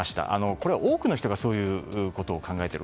これ、多くの人がそういうことを考えている。